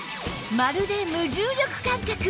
まるで無重力感覚！